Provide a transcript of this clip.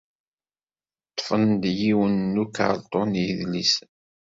Ṭṭfen-d yiwen n ukerṭun n yidlisen.